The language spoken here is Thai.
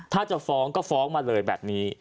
ถ้าจะฟ้องก็ฟ้องมาเลยแบบนี้